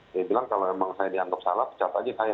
dia bilang kalau emang saya dianggap salah pecat aja saya